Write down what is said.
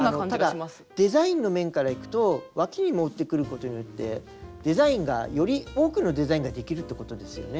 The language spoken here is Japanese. ただデザインの面からいくとわきにもってくることによってデザインがより多くのデザインができるってことですよね。